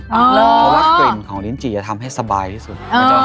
เพราะว่ากลิ่นของลิ้นจี่จะทำให้สบายที่สุด